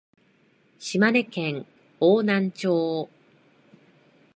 島根県邑南町